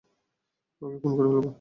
ওকে খুন করে ফেলবো!